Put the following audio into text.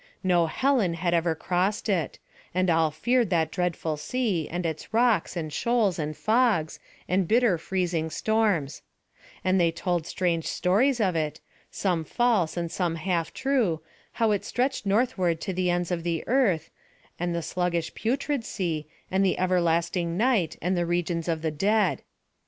No Hellen had ever crossed it, and all feared that dreadful sea, and its rocks, and shoals, and fogs, and bitter freezing storms; and they told strange stories of it, some false and some half true, how it stretched northward to the ends of the earth, and the sluggish Putrid Sea, and the everlasting night, and the regions of the dead.